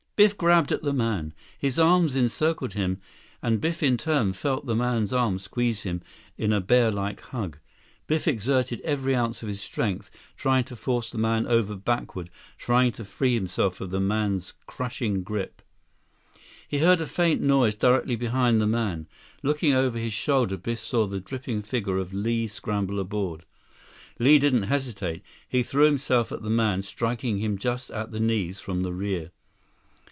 Biff grabbed at the man. His arms encircled him, and Biff in turn felt the man's arms squeeze him in a bearlike hug. Biff exerted every ounce of his strength, trying to force the man over backward, trying to free himself of the man's crushing grip. 90 He heard a noise from directly behind the man. Looking over his shoulder, Biff saw the dripping figure of Li scramble aboard. Li didn't hesitate. He threw himself at the man, striking him just at the knees from the rear.